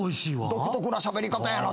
独特なしゃべり方やな。